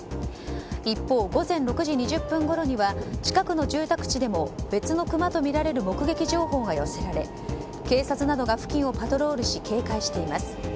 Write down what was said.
一方、午前６時２０分ごろには近くの住宅地でも別のクマとみられる目撃情報が寄せられ警察などが付近をパトロールし警戒しています。